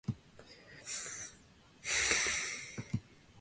North Grant Avenue caps off the south end of the district.